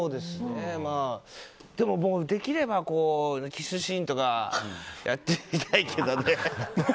でも、もうできればキスシーンとかやってみたいけどね。